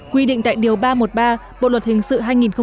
quy định tại điều ba trăm một mươi ba bộ luật hình sự hai nghìn một mươi năm